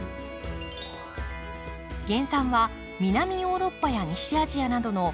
原産は南ヨーロッパや西アジアなどの地中海沿岸。